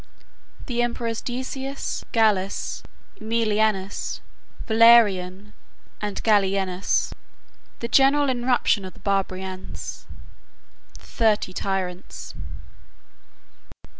The Emperors Decius, Gallus, Æmilianus, Valerian, And Gallienus.—The General Irruption Of The Barbari Ans.—The Thirty Tyrants.